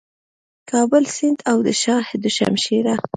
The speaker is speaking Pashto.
کابل سیند او د شاه دو شمشېره